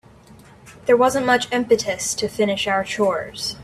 There wasn't much impetus to finish our chores.